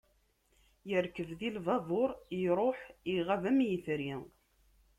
Yerkeb di lbabur, iruḥ, iɣab am yetri.